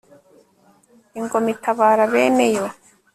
ingoma itabara bene yo